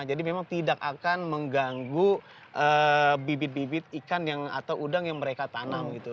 jadi memang tidak akan mengganggu bibit bibit ikan atau udang yang mereka tanam gitu